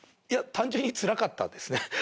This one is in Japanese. いや単純につらかったんですね